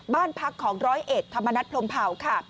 บ้านพักของร้อยเอกธรรมนัฐพรมเผาค่ะ